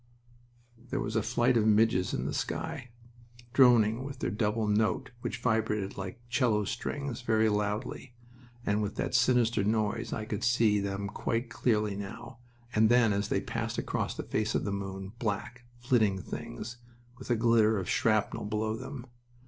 There was a flight of midges in the sky, droning with that double note which vibrated like 'cello strings, very loudly, and with that sinister noise I could see them quite clearly now and then as they passed across the face of the moon, black, flitting things, with a glitter of shrapnel below them.